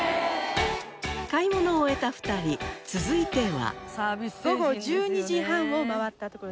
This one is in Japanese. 買い物を終えた２人続いては。